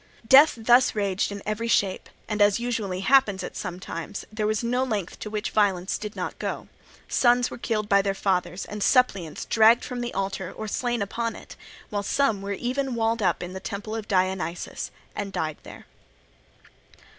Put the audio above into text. Death thus raged in every shape; and, as usually happens at such times, there was no length to which violence did not go; sons were killed by their fathers, and suppliants dragged from the altar or slain upon it; while some were even walled up in the temple of Dionysus and died there.